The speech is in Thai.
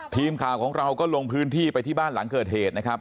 ทีมข่าวของเราก็ลงพื้นที่ไปที่บ้านหลังเกิดเหตุนะครับ